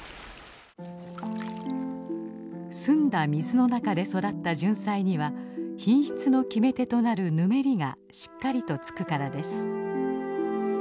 澄んだ水の中で育ったジュンサイには品質の決め手となる「ぬめり」がしっかりとつくからです。